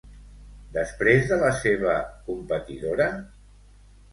Després de la seva competidora?